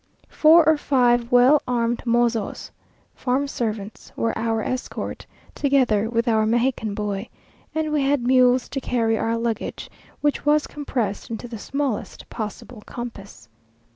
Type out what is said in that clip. Four or five well armed mozos, farmservants, were our escort, together with our Mexican boy; and we had mules to carry our luggage, which was compressed into the smallest possible compass.